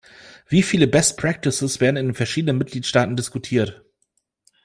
Wie viele best practices werden in den verschiedenen Mitgliedstaaten diskutiert?